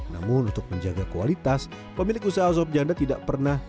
namun untuk menjaga kualitas pemilik usaha sobjanda tidak pernah